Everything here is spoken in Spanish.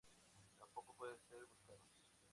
Tampoco pueden ser buscados.